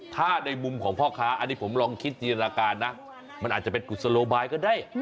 ถ้าในมุมของพ่อค้าอันนี้ผมลองคิดจินตนาการนะมันอาจจะเป็นกุศโลบายก็ได้